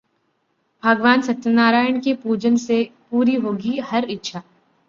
भगवान सत्यनारायण के पूजन से पूरी होगी हर इच्छा